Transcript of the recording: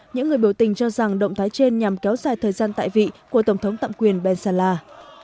những người biểu tình cho rằng động thái trên nhằm kéo dài thời gian tại vị của tổng thống tạm quyền bensala